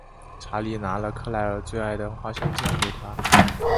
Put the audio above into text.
查理拿了克莱尔最爱的花生酱给她。